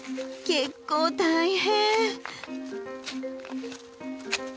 結構大変！